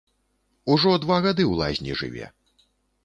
Ужо два гады ў лазні жыве.